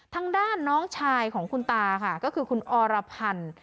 ทางด้านน้องชายของคุณตาค่ะก็คือคุณอรพันธ์